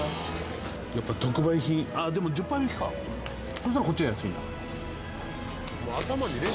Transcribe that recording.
そしたらこっちが安いな。